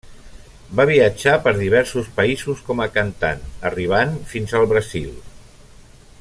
Va viatjar per diversos països com a cantant, arribant fins al Brasil.